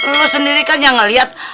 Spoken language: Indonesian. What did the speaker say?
lo sendiri kan yang ngelihat